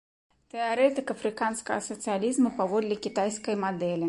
Тэарэтык афрыканскага сацыялізму паводле кітайскай мадэлі.